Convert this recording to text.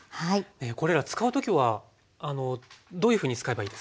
これら使う時はどういうふうに使えばいいですか？